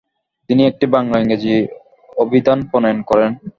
তিনি একটি বাংলা-ইংরেজি অভিধান প্রণয়ন করেন।